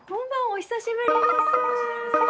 お久しぶりです。